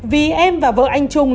vì em và vợ anh trung